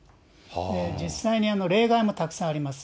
実際に例外もたくさんあります。